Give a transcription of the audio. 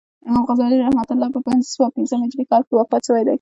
امام غزالی رحمة الله په پنځه سوه پنځم هجري کال کښي وفات سوی دئ.